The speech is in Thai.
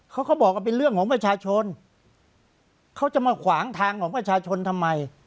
เขาก็บอกว่าเป็นเรื่องของประชาชนเขาจะมาขวางทางของประชาชนทำไม